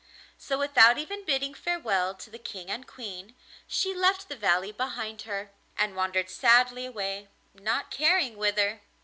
So, without even bidding farewell to the King and Queen, she left the valley behind her, and wandered sadly away, not caring whither.